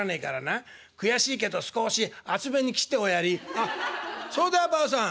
「あっそうだよばあさん。